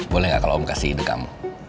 boleh gak kalau om kasih ide kamu